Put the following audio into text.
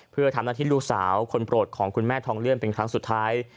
เพื่อทำหน้าที่ลูกสาวคนโปรดของคุณแม่ทองเลื่อนเป็นครั้งสุดท้าย